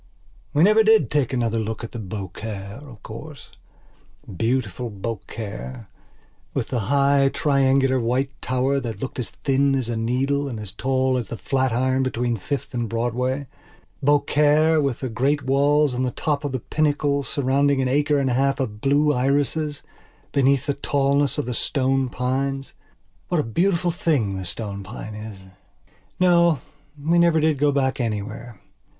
We never did take another look at Beaucaire, of coursebeautiful Beaucaire, with the high, triangular white tower, that looked as thin as a needle and as tall as the Flatiron, between Fifth and BroadwayBeaucaire with the grey walls on the top of the pinnacle surrounding an acre and a half of blue irises, beneath the tallness of the stone pines, What a beautiful thing the stone pine is!... No, we never did go back anywhere.